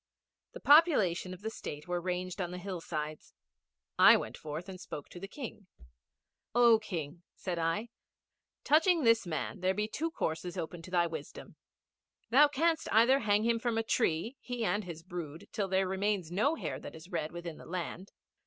The population of the State were ranged on the hillsides. I went forth and spoke to the King. 'Oh King,' said I. 'Touching this man there be two courses open to thy wisdom. Thou canst either hang him from a tree, he and his brood, till there remains no hair that is red within the land.'